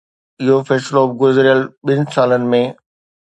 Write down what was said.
اهو فيصلو به گذريل ٻن سالن ۾